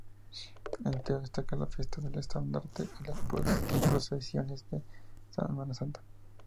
Entre ellos destaca la Fiesta del Estandarte y las procesiones de Semana Santa.